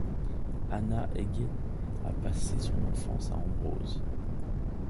Ana Egge a passé son enfance à Ambrose.